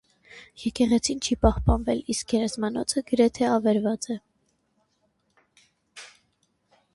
Եկեղեցին չի պահպանվել, իսկ գերեզմանոցը գրեթե ավերված է։